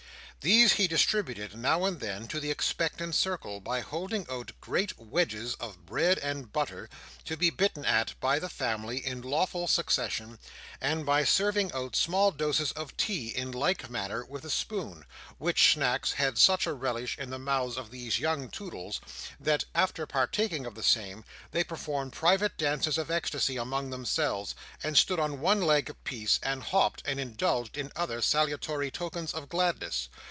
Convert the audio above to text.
These he distributed now and then to the expectant circle, by holding out great wedges of bread and butter, to be bitten at by the family in lawful succession, and by serving out small doses of tea in like manner with a spoon; which snacks had such a relish in the mouths of these young Toodles, that, after partaking of the same, they performed private dances of ecstasy among themselves, and stood on one leg apiece, and hopped, and indulged in other saltatory tokens of gladness.